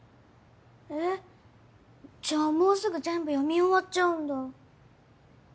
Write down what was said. えじゃあもうすぐ全部読み終わっちゃうんだ。